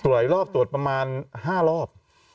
หลายรอบตรวจประมาณ๕รอบ